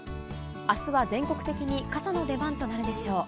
あすは全国的に傘の出番となるでしょう。